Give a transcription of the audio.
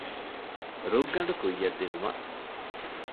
ރުއްގަނޑު ކުއްޔަށް ދިނުމަށް